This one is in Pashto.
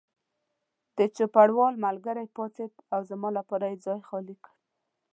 د چوپړوال ملګری پاڅېد او زما لپاره یې ځای خالي کړ.